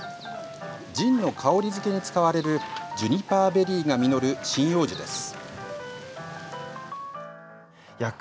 ジンの香り付けに使われるジュニパーベリーが実る針葉樹です。